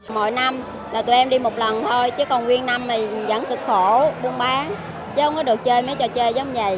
mỗi năm là tụi em đi một lần thôi chứ còn nguyên năm thì vẫn cực khổ buôn bán chứ không có được chơi mấy trò chơi giống vậy